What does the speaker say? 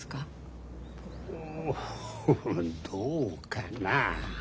どうかな？